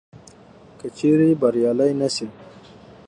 که چیري بریالي نه سي